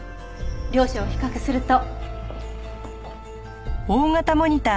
両者を比較すると。